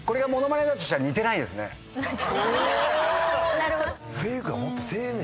なるほど。